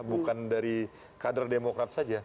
bukan dari kader demokrat saja